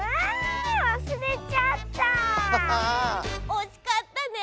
おしかったね。